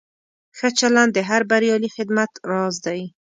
ښه چلند د هر بریالي خدمت راز دی.